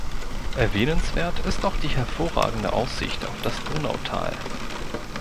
Erwähnenswert ist auch die hervorragende Aussicht auf das Donautal.